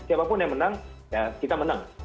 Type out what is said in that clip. siapapun yang menang ya kita menang